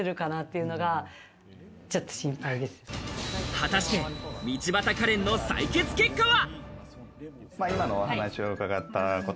果たして道端カレンの採血結果は？